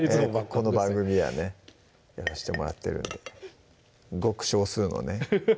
この番組はねやらしてもらってるんでごく少数のね